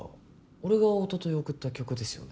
俺がおととい送った曲ですよね？